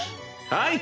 はい。